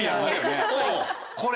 これ。